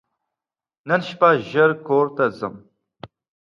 نن شپه ژر کور ته ځم !